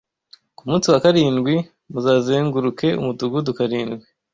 Ku munsi wa karindwi muzazenguruke umudugudu karindwi